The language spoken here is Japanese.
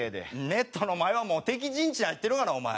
ネットの前はもう敵陣地に入ってるがなお前。